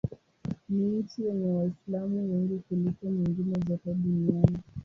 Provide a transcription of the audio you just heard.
Ni nchi yenye Waislamu wengi kuliko nyingine zote duniani.